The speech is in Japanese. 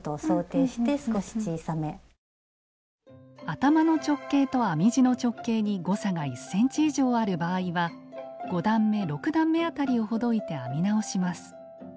頭の直径と編み地の直径に誤差が１ｃｍ以上ある場合は５段め６段め辺りをほどいて編み直します。